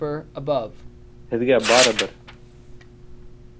Һеҙгә барыбер!